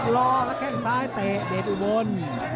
รอแล้วแข้งซ้ายเตะเดชอุบล